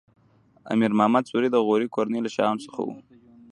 امیر محمد سوري د غوري کورنۍ له شاهانو څخه و.